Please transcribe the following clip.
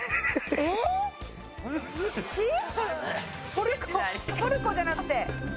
トルコトルコじゃなくて。